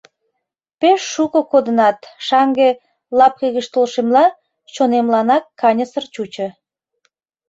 Пеш шуко кодынат, шаҥге, лапке гыч толшемла, чонемланак каньысыр чучо.